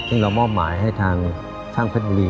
ซึ่งเรามอบหมายให้ทางช่างเพชรบุรี